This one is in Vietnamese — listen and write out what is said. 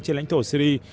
trên lãnh thổ syri